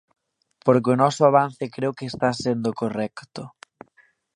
Porque o noso avance creo que está sendo correcto.